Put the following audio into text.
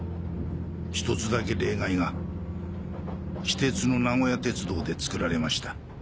ひとつだけ例外が私鉄の名古屋鉄道で作られました。